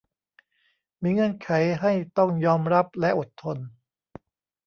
มีเงื่อนไขให้ต้องยอมรับและอดทน